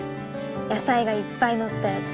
野菜がいっぱい乗ったやつ。